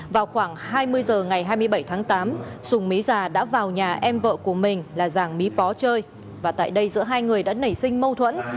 vào khoảng hai mươi h ngày hai mươi bảy tháng tám sùng mí già đã vào nhà em vợ của mình là giàng mí pó chơi và tại đây giữa hai người đã nảy sinh mâu thuẫn